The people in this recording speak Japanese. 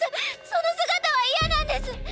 その姿は嫌なんですッ！